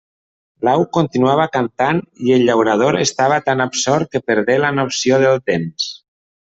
L'au continuava cantant i el llaurador estava tan absort que perdé la noció del temps.